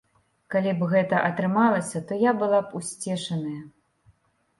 Калі б гэта атрымалася, то я была б усцешаная.